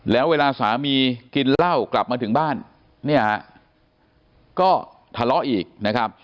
แล้วเวลาสามีกินเหล้ากลับมาถึงบ้านเนี่ยฮะก็ทะเลาะอีกนะครับ